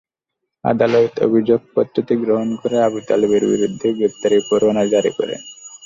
আদালত অভিযোগপত্রটি গ্রহণ করে আবু তালেবের বিরুদ্ধে গ্রেপ্তারি পরোয়ানা জারি করেন।